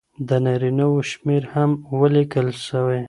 د نارینه وو شمېرې هم ولیکل سوې.